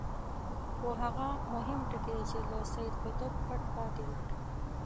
خو هغه مهم ټکی چې له سید قطب پټ پاتې دی.